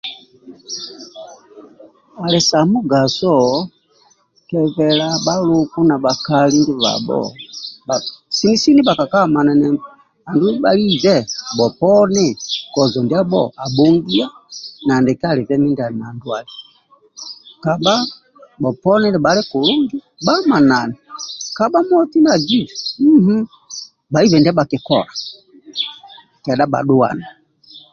Ali sa mugaso kebela bhaluku na bhakali ndibhabho sini sini kebha ka amananembe andulu bhaibe bhoponi kozo ndiabho abhongia nandiki alibe mindia ali na ndwali kabha bhoponi nibhali nibhalibkulungi bha amanane kabha moti nagibe ehhh bhaibi ndia bhakikola kesha bhadhuane